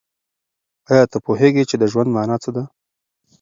آیا ته پوهېږې چې د ژوند مانا څه ده؟